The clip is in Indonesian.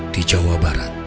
di jawa barat